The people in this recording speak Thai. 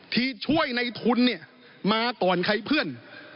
ที่ช่วยในทุนเนี่ยมาก่อนใครเพื่อน